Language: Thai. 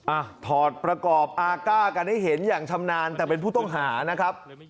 ถอดประกอบอาก้ากันให้เห็นอย่างชำนาญแต่เป็นผู้ต้องหานะครับ